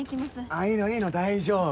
あっいいのいいの大丈夫。